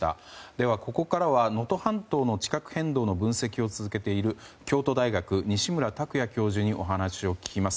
では、ここからは能登半島の地殻変動の分析を続けている京都大学、西村卓也教授にお話を聞きます。